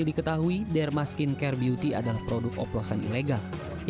nela juga mengaku tidak pernah menggunakan produk kecantikan dsc beauty